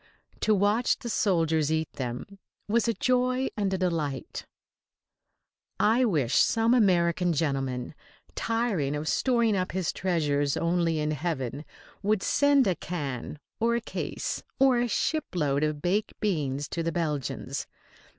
To watch the soldiers eat them was a joy and a delight. I wish some American gentleman, tiring of storing up his treasures only in heaven, would send a can or a case or a shipload of baked beans to the Belgians.